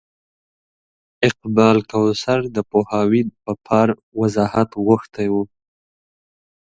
اقبال کوثر د پوهاوي په پار وضاحت غوښتی و.